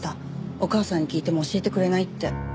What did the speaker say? お母さんに聞いても教えてくれないって。